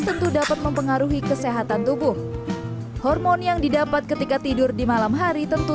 tentu dapat mempengaruhi kesehatan tubuh hormon yang didapat ketika tidur di malam hari tentu